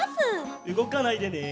うごかないでね。